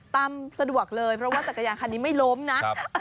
สะดวกเลยเพราะว่าจักรยานคันนี้ไม่ล้มนะ